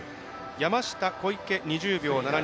山下、小池、２０秒７２。